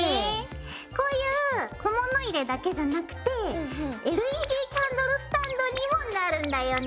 こういう小物入れだけじゃなくてＬＥＤキャンドルスタンドにもなるんだよね。